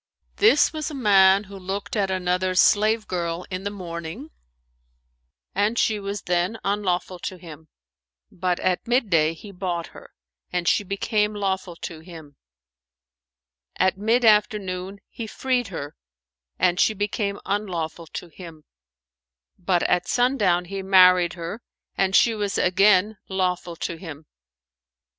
"This was a man who looked at another's slave girl in the morning, and she was then unlawful to him; but at midday he bought her, and she became lawful to him: at mid afternoon he freed her, and she became unlawful to him; but at sundown he married her and she was again lawful to him.